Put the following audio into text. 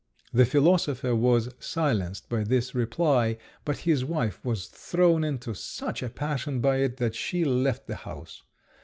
The philosopher was silenced by this reply, but his wife was thrown into such a passion by it that she left the house.